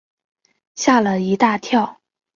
吓了一大跳